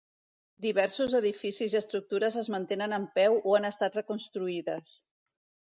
Diversos edificis i estructures es mantenen en peu o han estat reconstruïdes.